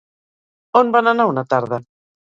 On van anar una tarda?